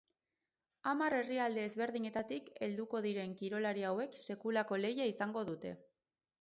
Hamar herrialde ezberdinetatik helduko diren kirolari hauek sekulako lehia izango dute.